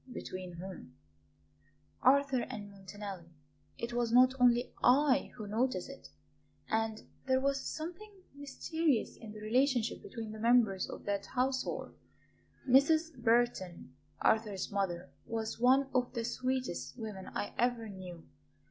"Between whom?" "Arthur and Montanelli. It was not only I who noticed it. And there was something mysterious in the relationship between the members of that household. Mrs. Burton, Arthur's mother, was one of the sweetest women I ever knew.